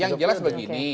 yang jelas begini